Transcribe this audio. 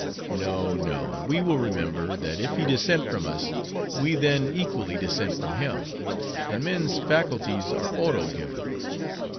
"No, no; we will remember, that if he dissent from us, we then equally dissent from him; and men's faculties are Oro given.